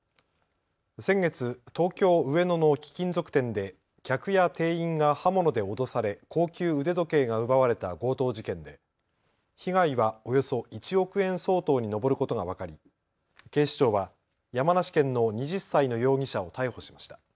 先月、東京上野の貴金属店で客や店員が刃物で脅され高級腕時計が奪われた強盗事件で被害はおよそ１億円相当に上ることが分かり警視庁は山梨県の２０歳の容疑者を逮捕しました。